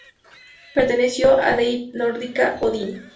Perteneció a la Deidad Nórdica Odín.